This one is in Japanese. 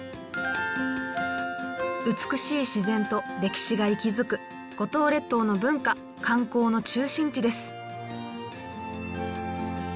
美しい自然と歴史が息づく五島列島の文化観光の中心地です。